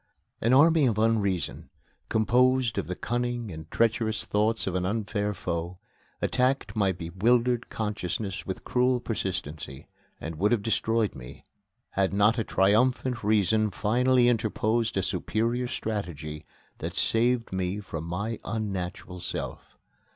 An Army of Unreason, composed of the cunning and treacherous thoughts of an unfair foe, attacked my bewildered consciousness with cruel persistency, and would have destroyed me, had not a triumphant Reason finally interposed a superior strategy that saved me from my unnatural self.